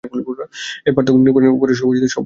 এই পার্থক্য নিরূপণের উপরই সব মানবিক জ্ঞান নির্ভর করে।